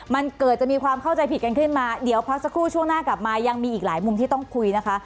มันเกิดจะมีความเข้าใจผิดกันขึ้นมาเดี๋ยวพักสักครู่ช่วงหน้ากลับมายังมีอีกหลายมุมที่ต้องคุยนะคะ